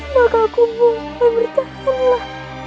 maka aku mungkul bertahanlah